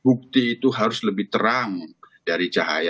tapi bukti itu harus lebih terang dari cahaya atau seterang cahaya